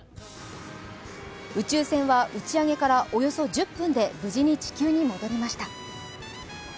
宇宙船は打ち上げからおよそ１０分で無事に地球に戻りました。